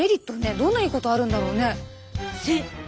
どんないいことあるんだろうね？